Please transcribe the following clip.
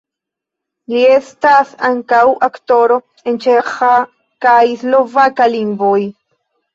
Li estas ankaŭ aktoro en ĉeĥa kaj slovaka lingvoj.